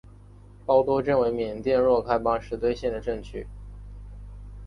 包多镇为缅甸若开邦实兑县的镇区。